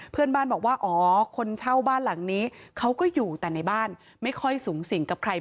เพื่อนบ้านบอกว่าอ๋อคนเช่าบ้านหลังนี้เขาก็อยู่แต่ในบ้านไม่ค่อยสูงสิงกับใคร